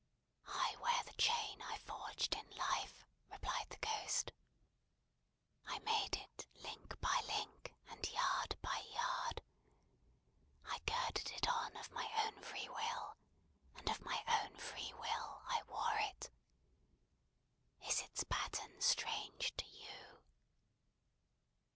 "I wear the chain I forged in life," replied the Ghost. "I made it link by link, and yard by yard; I girded it on of my own free will, and of my own free will I wore it. Is its pattern strange to you?"